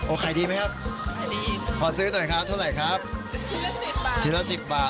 โอเคดีไหมครับ